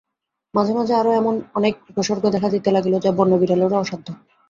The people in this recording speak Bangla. মাঝে মাঝে আরো এমন অনেক উপসর্গ দেখা দিতে লাগিল যা বন্য বিড়ালেরও অসাধ্য।